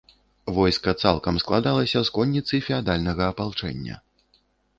Войска цалкам складалася з конніцы феадальнага апалчэння.